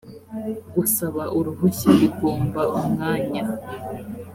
gusaba uruhushya bigomba umwanya.